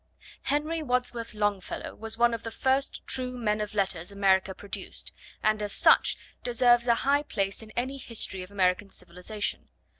Henry Wadsworth Longfellow was one of the first true men of letters America produced, and as such deserves a high place in any history of American civilisation.